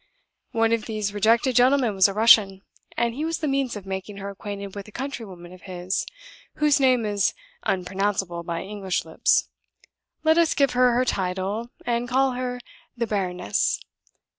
One of these rejected gentlemen was a Russian; and he was the means of making her acquainted with a countrywoman of his, whose name is unpronounceable by English lips. Let us give her her title, and call her the baroness.